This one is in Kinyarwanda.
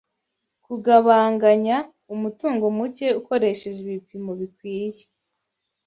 Kugabanganya umutungo muke ukoresheje ibipimo bikwiye